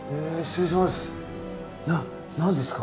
な何ですか？